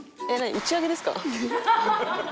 打ち上げですか？